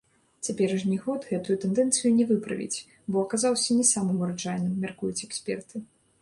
Цяперашні год гэтую тэндэнцыю не выправіць, бо аказаўся не самым ураджайным, мяркуюць эксперты.